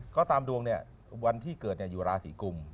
ก็ตามดวงเนี่ยวันที่เกิดอยู่ราศีกุม